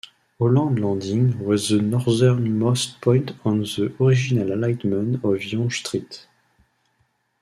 Holland Landing was the northernmost point on the original alignment of Yonge Street.